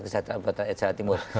kejahatan buat jawa timur